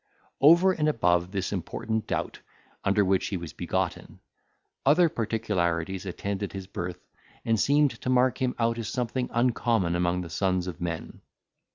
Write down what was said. Over and above this important doubt under which he was begotten, other particularities attended his birth, and seemed to mark him out as something uncommon among the sons of men.